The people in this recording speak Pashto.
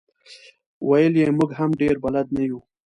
ویل یې موږ هم ډېر بلد نه یو.